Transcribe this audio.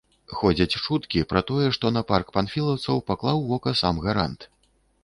Ходзяць чуткі пра тое, што на парк панфілаўцаў паклаў вока сам гарант.